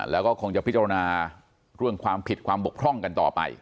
แล้วก็คงจะพิจารณาเรื่องความผิดความบกพร่องกันต่อไป